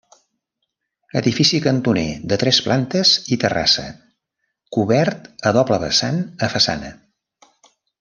Edifici cantoner de tres plantes i terrassa cobert a doble vessant a façana.